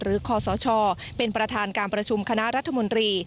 คศเป็นประธานการประชุมคณะรัฐมนตรี